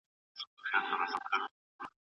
ایا ستا ښوونکی مهربان دی؟